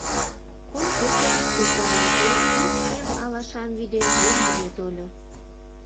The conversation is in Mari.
Кум кече гыч Сопром Епрем, ик шем алашам вӱден, мӧҥгыжӧ тольо.